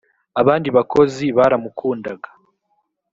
abandi bakozi baramukundaga